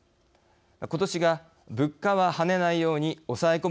今年が、物価は、はねないように抑え込む